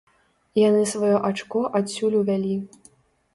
Яны сваё ачко адсюль увялі.